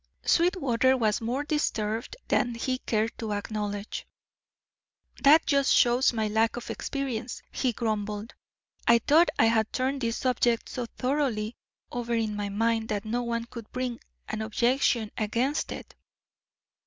Sweetwater was more disturbed than he cared to acknowledge. "That just shows my lack of experience," he grumbled. "I thought I had turned this subject so thoroughly over in my mind that no one could bring an objection against it."